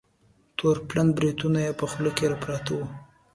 تور پلن بریتونه یې په خوله کې پراته وه.